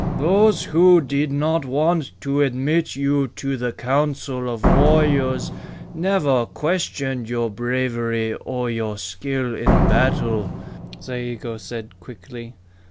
"Those who did not want to admit you to the Council of Warriors never questioned your bravery or your skill in battle," Zayigo said quickly.